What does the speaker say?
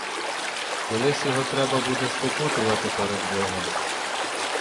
Колись його треба буде спокутувати перед богом!